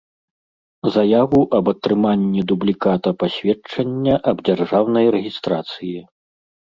Заяву аб атрыманнi дублiката пасведчання аб дзяржаўнай рэгiстрацыi.